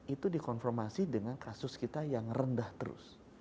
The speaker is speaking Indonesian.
itu dikonformasi dengan kasus kita yang rendah terus